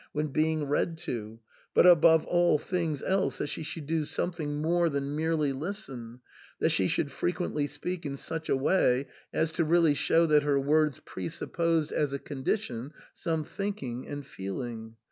when being read to, but above all things else that she should do something more than merely listen — that she should frequently speak in such a way as to really show that her words presupposed as a condition some thinking and feeling.